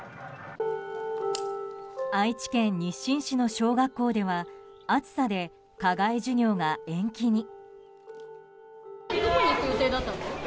愛知県日進市の小学校では暑さで課外授業が延期に。